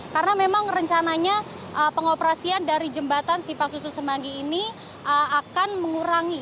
karena memang rencananya pengoperasian dari jembatan simpang susun semanggi ini akan mengurangi